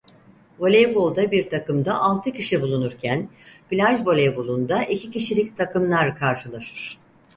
Voleybolda bir takımda altı kişi bulunurken plaj voleybolunda iki kişilik takımlar karşılaşır.